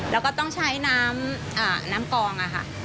แล้วก็ต้องใช้น้ำกองค่ะ